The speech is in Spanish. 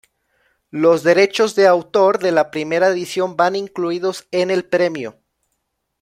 Los derechos de autor de la primera edición van incluidos en el premio.